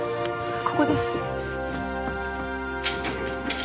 ここです